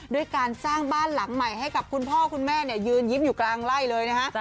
ด้วยการสร้างบ้านหลังใหม่ให้กับคุณพ่อคุณแม่ยืนยิ้มอยู่กลางไล่เลยนะฮะ